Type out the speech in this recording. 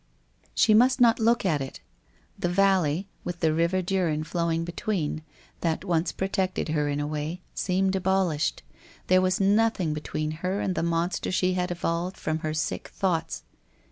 ... She must not look at it. The valley, with the river Duren flowing between, that once protected her in a way, seemed abolished. There was nothing between her and the monster she had evolved from her sick thoughts.